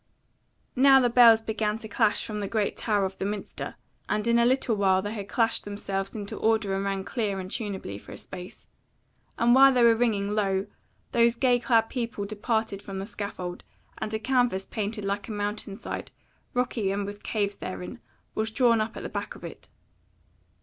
Now the bells began to clash from the great tower of the minster, and in a little while they had clashed themselves into order and rang clear and tuneably for a space; and while they were ringing, lo! those gay clad people departed from the scaffold, and a canvas painted like a mountain side, rocky and with caves therein, was drawn up at the back of it.